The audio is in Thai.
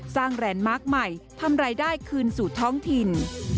แลนด์มาร์คใหม่ทำรายได้คืนสู่ท้องถิ่น